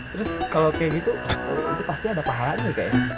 terus kalau kayak gitu itu pasti ada pahalanya kaya